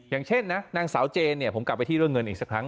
อย่างเช่นนะนางสาวเจนเนี่ยผมกลับไปที่เรื่องเงินอีกสักครั้ง